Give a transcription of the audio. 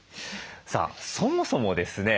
そもそもですね